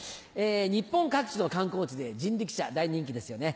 日本各地の観光地で人力車大人気ですよね。